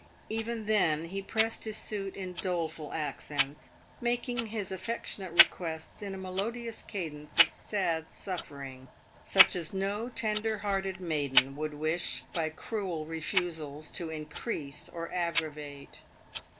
Even then he pressed his suit in doleful accents, making his affectionate requests in a melodious cadence of sad suffering such as no tender hearted maiden would wish by cruel refusals to increase or aggravate.